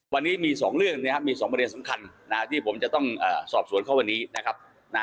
วันนี้มี๒เรื่องนะครับมี๒ประเด็นสำคัญที่ผมจะต้องสอบสวนเข้าวันนี้นะครับ